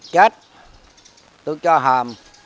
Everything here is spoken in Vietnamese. chết tôi cho hầm